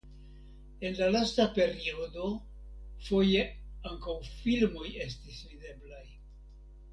En la lasta periodo foje ankaŭ filmoj estis videblaj.